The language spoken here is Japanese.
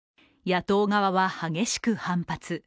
野党側は激しく反発。